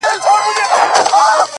گرانه شاعره صدقه دي سمه’